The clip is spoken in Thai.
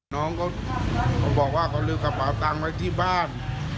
น้องเขาบอกว่าเขาลืมกระเป๋าตังค์ไว้ที่บ้าน